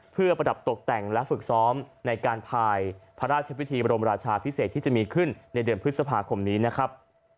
เพื่อประดับตกแต่งและฝึกซ้อมในการภายพระราชพิธีบรมราชาพิเศษที่จะมีขึ้นในเดือนพฤษภาคมนี้นะครับ